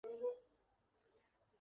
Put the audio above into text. তিনি আলমুট শহরের দেখা পান।